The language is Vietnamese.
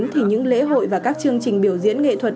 thì những lễ hội và các chương trình biểu diễn nghệ thuật